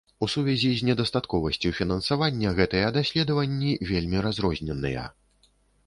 У сувязі з недастатковасцю фінансавання гэтыя даследаванні вельмі разрозненыя.